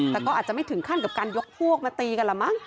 แต่ก็อาจจะไม่ถึงขั้นกับการยกพวกมาตีกันละมั้ง